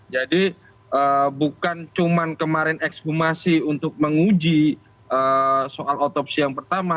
jadi bukan cuma kemarin ekshumasi untuk menguji soal otopsi yang pertama